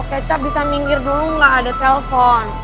boto kecap bisa minggir dulu ga ada telpon